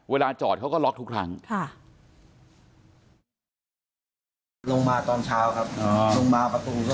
เวลาจอดเขาก็ล็อคทุกครั้งลงมาตอนเช้าครับลงมาประตู